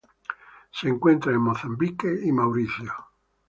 Se encuentra en Mozambique y Mauricio.